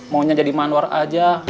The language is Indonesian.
maunya jadi manor aja